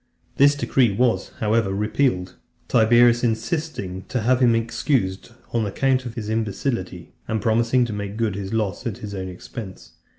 This decree was, however, repealed; Tiberius insisting to have him excused on account of his imbecility, and promising to make good his loss at his own expense.